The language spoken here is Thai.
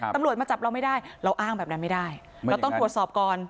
ตำรวจมาจับเราไม่ได้เราอ้างแบบนั้นไม่ได้เราต้องตรวจสอบก่อน